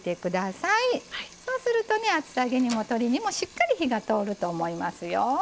そうするとね厚揚げにも鶏にもしっかり火が通ると思いますよ。